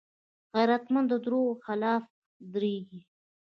غیرتمند د دروغو خلاف دریږي